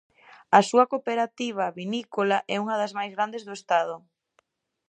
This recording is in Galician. A súa cooperativa vinícola é unha das máis grandes do estado.